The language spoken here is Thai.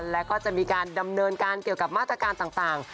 แล้วก็จะมีการดำเนินการเกี่ยวกับมาตรการต่าง